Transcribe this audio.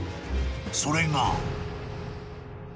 ［それが］